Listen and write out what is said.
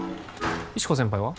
石子先輩は？